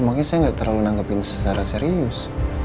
makanya saya gak terlalu nanggepin secara serius